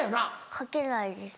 かけないです。